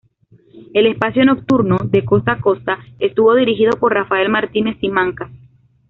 El espacio nocturno "De costa a costa" estuvo dirigido por Rafael Martínez-Simancas.